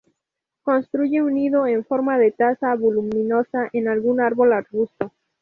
Construye un nido en forma de taza voluminosa en algún árbol arbusto.